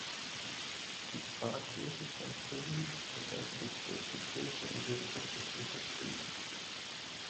Die Pfarrkirche von Fully wird als die grösste Kirche im Bistum Sitten beschrieben.